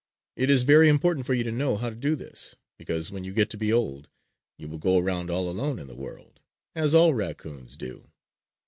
It is very important for you to know how to do this, because, when you get to be old, you will go around all alone in the world, as all raccoons do.